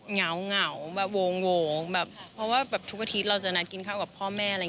เหงาวงเพราะว่าทุกอาทิตย์เราจะนัดกินข้าวกับพ่อแม่